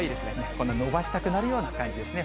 こんな伸ばしたくなるような感じですね。